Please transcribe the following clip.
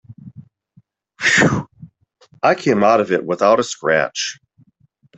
I came out of it without a scratch.